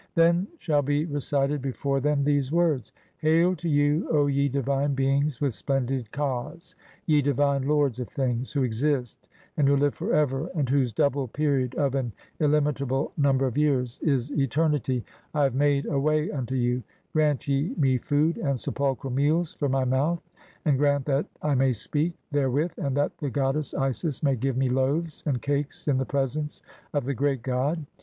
Then shall be recited before them these words :— "Hail to you, O ye divine beings with splendid Kas, ye divine "lords (3i) of things, who exist and who live for ever, and [whose] "double period of an illimitable number of years is eternity, I "have made a way unto you, grant ye me food and sepulchral "meals for my mouth, [and grant that] I may speak (32) there "with, and that the goddess Isis [may give me] loaves and cakes "in the presence of the great god.